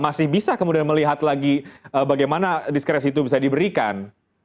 masih bisa kemudian melihat lagi bagaimana diskresi itu bisa diberikan